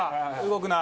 動くな！